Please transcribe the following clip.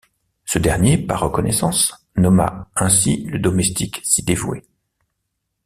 Ce dernier, par reconnaissance, nomma ainsi le domestique si dévoué.